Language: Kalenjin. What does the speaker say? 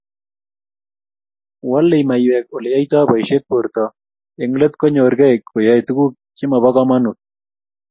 Wolei maiywek Ole yaitoi boisiet borto eng let konyorkei koyoei tuguk chemobo komonut